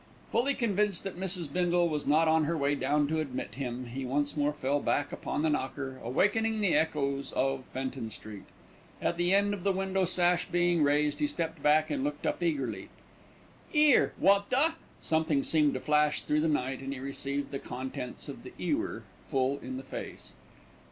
Fully convinced that Mrs. Bindle was not on her way down to admit him, he once more fell back upon the knocker, awakening the echoes of Fenton Street. At the sound of the window sash being raised, he stepped back and looked up eagerly. "'Ere, wot the !" Something seemed to flash through the night, and he received the contents of the ewer full in the face.